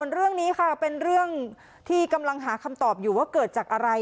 เรื่องนี้ค่ะเป็นเรื่องที่กำลังหาคำตอบอยู่ว่าเกิดจากอะไร